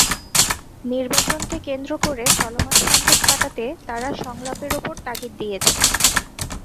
নির্বাচনকে কেন্দ্র করে চলমান সংকট কাটাতে তাঁরা সংলাপের ওপর তাগিদ দিয়েছেন।